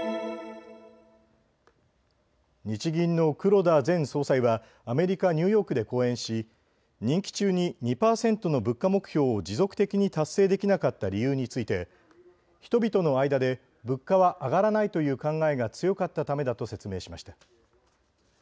日銀の黒田前総裁はアメリカ・ニューヨークで講演し任期中に２％の物価目標を持続的に達成できなかった理由について人々の間で物価は上がらないという考えが強かったためだと説明しました。